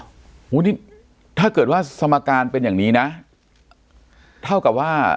โอ้โหนี่ถ้าเกิดว่าสมการเป็นอย่างนี้นะเท่ากับว่า